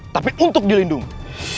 tapi untuk dilindungi